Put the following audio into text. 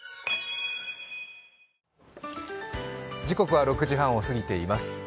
時刻は６時半を過ぎています